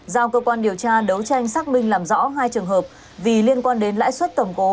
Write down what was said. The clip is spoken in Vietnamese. giao cơ quan điều tra đấu tranh xác minh làm rõ hai trường hợp vì liên quan đến lãi suất cầm cố